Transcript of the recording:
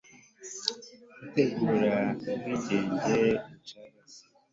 gutegura ubwigenge bucagase